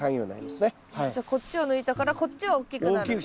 じゃこっちを抜いたからこっちは大きくなるけど。